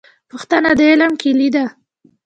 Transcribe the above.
پوښتنه د علم کیلي ده